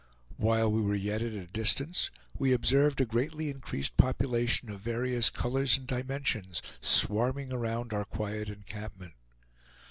While we were yet at a distance, we observed a greatly increased population of various colors and dimensions, swarming around our quiet encampment.